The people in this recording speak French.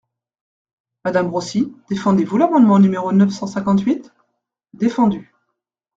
Madame Rossi, défendez-vous l’amendement numéro neuf cent cinquante-huit ? Défendu.